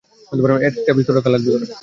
একটা পিস্তল রাখা লাগবে ঘরে।